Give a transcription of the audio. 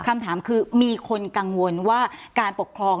คำถามคือมีคนกังวลว่าการปกครอง